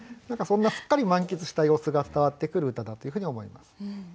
何かそんなすっかり満喫した様子が伝わってくる歌だというふうに思います。